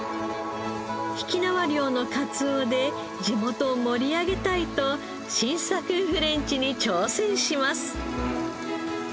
曳縄漁のかつおで地元を盛り上げたいと新作フレンチに挑戦します。